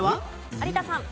有田さん。